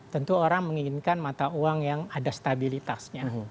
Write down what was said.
tentu orang menginginkan mata uang yang ada stabilitasnya